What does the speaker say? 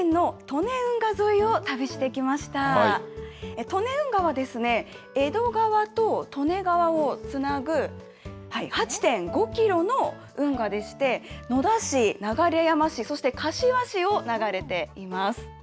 利根運河は、江戸川と利根川をつなぐ８．５キロの運河でして、野田市、流山市、そして柏市を流れています。